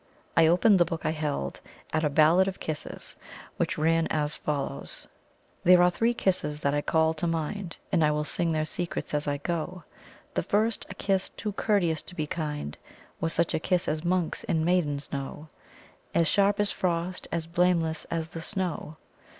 I opened the book I held at "A Ballad of Kisses," which ran as follows: "There are three kisses that I call to mind, And I will sing their secrets as I go, The first, a kiss too courteous to be kind, Was such a kiss as monks and maidens know, As sharp as frost, as blameless as the snow.